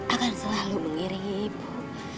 akan selalu mengiringi ibu